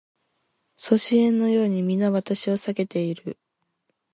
阻止円のように皆私を避けている